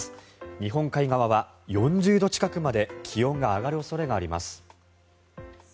日本海側は４０度近くまで気温が上がる恐れがあります。